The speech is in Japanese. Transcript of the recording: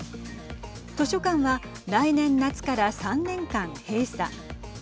図書館は来年夏から３年間、閉鎖。